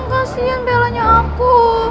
kasian bellanya aku